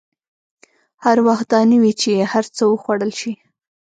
هر وخت دا نه وي چې هر څه وخوړل شي.